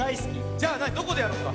じゃあどこでやろっか？